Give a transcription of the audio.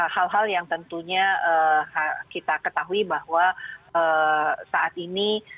hal hal yang tentunya kita ketahui bahwa saat ini